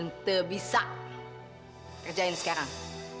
tante bisa kerjain sekarang